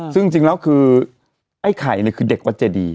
ซึ่งจริงแล้วคือไอ้ไข่เนี่ยคือเด็กวัดเจดี